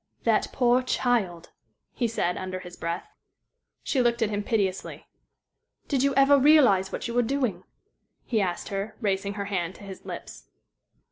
"That poor child," he said, under his breath. She looked at him piteously. "Did you ever realize what you were doing?" he asked her, raising her hand to his lips.